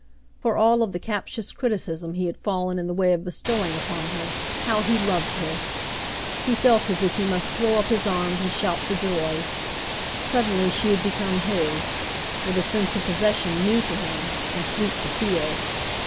For all of the captious criticism he had fallen in the way of bestowing upon her, how he loved her ! He felt as if he must throw up his arms and shout for joy. Suddenly she had become his, with a sense of possession new to him, and sweet to feel.